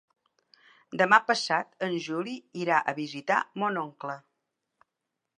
Demà passat en Juli irà a visitar mon oncle.